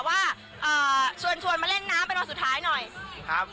ว่าเอ่อชวนชวนมาเล่นน้ำเป็นวันสุดท้ายหน่อยครับ